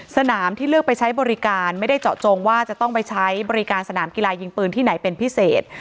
สนามที่เลือกไปใช้บริการไม่ได้เจาะจงว่าจะต้องไปใช้บริการสนามกีฬายิงปืนที่ไหนเป็นพิเศษ